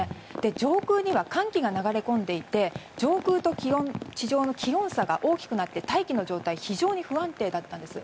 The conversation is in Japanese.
上空には寒気が流れ込んでいて上空と地上の気温差が大きくなって、大気の状態非常に不安定だったんです。